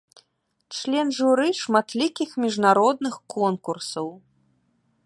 Член журы шматлікіх міжнародных конкурсаў.